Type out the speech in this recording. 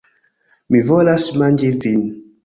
Mi volas manĝi vin!